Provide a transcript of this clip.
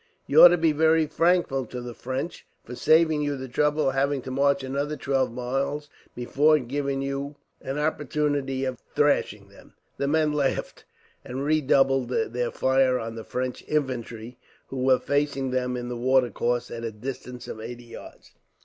You ought to be very thankful to the French, for saving you the trouble of having to march another twelve miles before giving you an opportunity of thrashing them." The men laughed, and redoubled their fire on the French infantry, who were facing them in the watercourse at a distance of eighty yards.